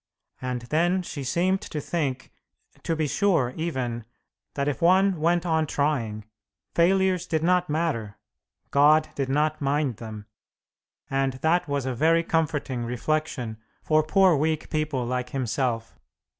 And then she seemed to think to be sure, even that if one went on trying, failures did not matter, God did not mind them; and that was a very comforting reflection for poor weak people like himself.